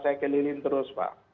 saya keliling terus pak